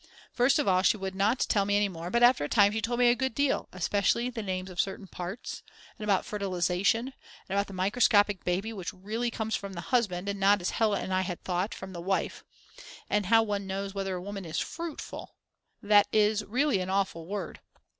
First of all she would not tell me any more, but after a time she told me a good deal, especially the names of certain parts, and about fertilisation, and about the microscopic baby which really comes from the husband, and not as Hella and I had thought, from the wife. And how one knows whether a woman is fruitful. That is really an awful word.